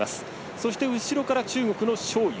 そして、後ろから中国の章勇。